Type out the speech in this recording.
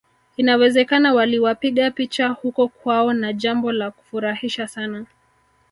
Inawezekana waliwapiga picha huko kwao na jambo la kufurahisha sana